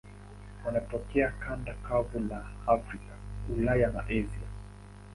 Wanatokea kanda kavu za Afrika, Ulaya na Asia.